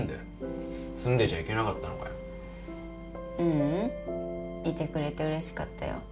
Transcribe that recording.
ううんいてくれてうれしかったよ。